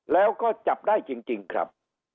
แล้วก็จับได้จริงครับ